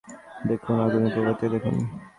দেখুন, আগুনের প্রভাবটা দেখুন।